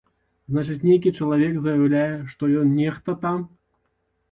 Значыць, нейкі чалавек заяўляе, што ён нехта там.